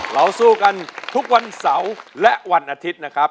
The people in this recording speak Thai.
เราสู้กันทุกวันเสาร์และวันอาทิตย์นะครับ